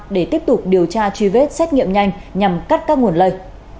để tiếp tục điều tra truy vết xét nghiệm nhanh nhằm cắt các nguồn lây